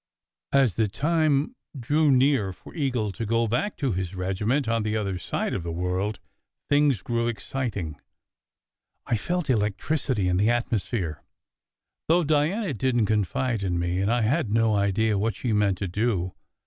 As the time drew near for Eagle to go back to his regi ment on the other side of the world, things grew exciting. I felt electricity in the atmosphere, though Diana didn t confide in me, and I had no idea what she meant to do.